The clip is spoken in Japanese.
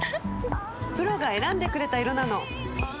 プロが選んでくれた色なの！